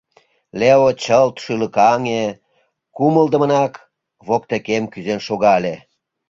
Лео чылт шӱлыкаҥе, кумылдымынак воктекем кӱзен шогале.